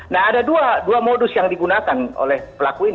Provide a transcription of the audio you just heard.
nah ada dua modus yang digunakan oleh pelaku ini